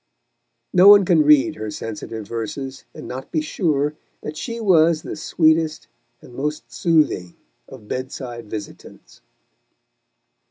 No one can read her sensitive verses, and not be sure that she was the sweetest and most soothing of bed side visitants.